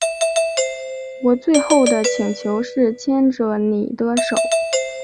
我最后的请求是牵着妳的手